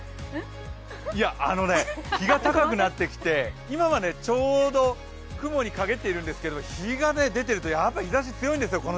日が高くなってきて今はちょうど雲に陰っているんですけれども、日が出ていると日が強いんですよ。